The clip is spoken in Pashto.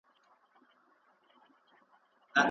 آیا وطن کي د زده کړې اسانتیاوې شته؟